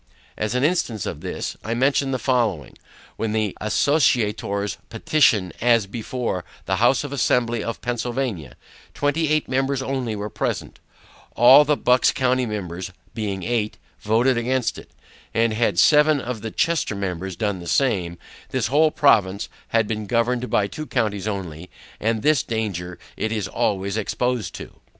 As an instance of this, I mention the following; when the Associators petition was before the House of Assembly of Pennsylvania; twenty eight members only were present, all the Bucks county members, being eight, voted against it, and had seven of the Chester members done the same, this whole province had been governed by two counties only, and this danger it is always exposed to.